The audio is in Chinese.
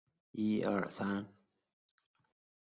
办理公证